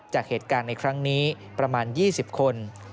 จากเหตุการณ์ในครั้งนี้ประมาณ๒๐คน